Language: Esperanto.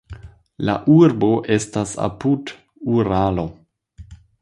La urbo estas apud Uralo.